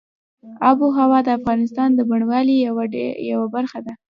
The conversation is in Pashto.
آب وهوا د افغانستان د بڼوالۍ یوه برخه ده.